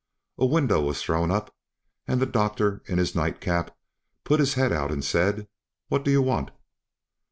A window was thrown up, and the doctor, in his night cap, put his head out and said, "What do you want?"